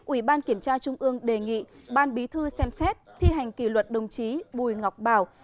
ủy ban kiểm tra trung ương đề nghị ban bí thư xem xét thi hành kỷ luật đồng chí bùi ngọc bảo